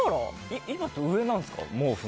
今って上なんですか？